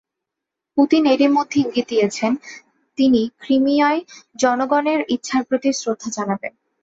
Putin এরই মধ্যে ইঙ্গিত দিয়েছেন, তিনি ক্রিমিয়ার জনগণের ইচ্ছার প্রতি শ্রদ্ধা জানাবেন।